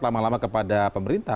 lama lama kepada pemerintah